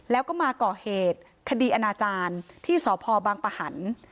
แล้วก็มาก่อเหตุคดีอนาจารย์ที่สพบังปะหัน